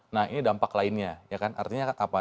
nah ini dampak lainnya artinya apa